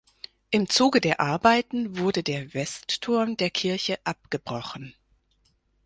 Im Zuge der Arbeiten wurde der Westturm der Kirche abgebrochen.